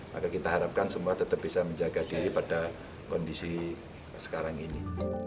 maka kita harapkan semua tetap bisa menjaga diri pada kondisi sekarang ini